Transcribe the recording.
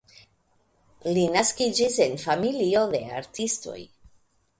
Li naskiĝis en familio de artistoj.